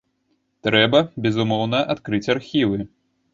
Трэба, безумоўна, адкрыць архівы.